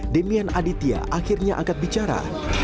demian aditya akhirnya angkat bicara